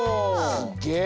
すげえ！